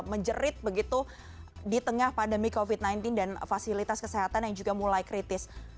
menjerit begitu di tengah pandemi covid sembilan belas dan fasilitas kesehatan yang juga mulai kritis